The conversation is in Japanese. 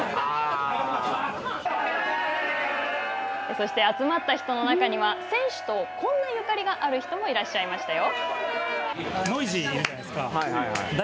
そして集まった人の中には選手とこんなゆかりがある人もいらっしゃいましたよ。